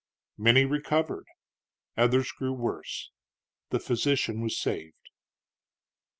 Many recovered, others grew worse; the physician was saved.